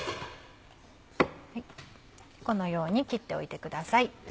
このように切っておいてください。